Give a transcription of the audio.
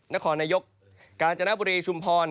นครนายกกาญจนบุรีชุมพร